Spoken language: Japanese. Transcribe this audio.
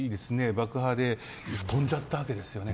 爆破で飛んじゃったわけですよね。